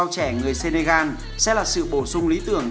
trẻ người senegal sẽ là sự bổ sung lý tưởng